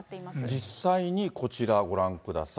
実際にこちら、ご覧ください。